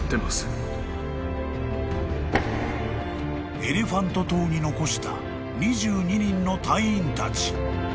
［エレファント島に残した２２人の隊員たち］